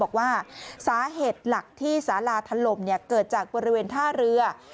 บอกว่าสาเหตุหลักที่สาลาถล่มเกิดจากบริเวณท่าเรือ